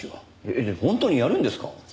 えっ本当にやるんですか？